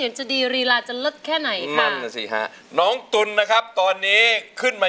นะคะจากเชียงใหม่คนนี้แล้วว่า